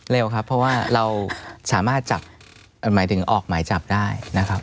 เร็วครับเพราะว่าเราสามารถจับหมายถึงออกหมายจับได้นะครับ